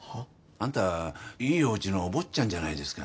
アンタいいおうちのお坊ちゃんじゃないですか。